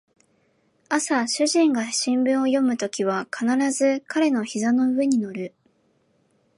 朝主人が新聞を読むときは必ず彼の膝の上に乗る